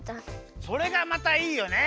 それがまたいいよね！